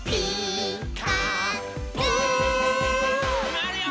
まわるよ。